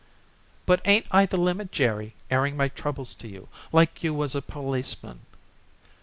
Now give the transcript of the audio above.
"But ain't I the limit, Jerry, airing my troubles to you, like you was a policeman."